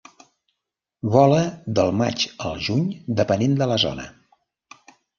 Vola del maig al juny depenent de la zona.